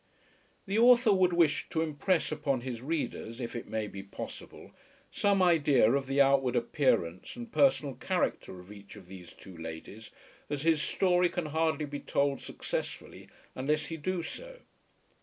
The author would wish to impress upon his readers, if it may be possible, some idea of the outward appearance and personal character of each of these two ladies, as his story can hardly be told successfully unless he do so.